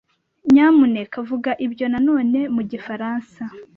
Nyamuneka vuga ibyo na none mu gifaransa.